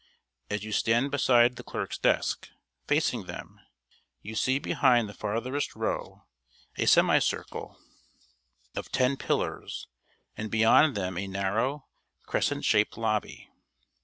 As you stand beside the clerk's desk, facing them, you see behind the farthest row a semi circle of ten pillars, and beyond them a narrow, crescent shaped lobby.